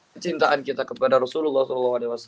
kecintaan kita kepada rasulullah saw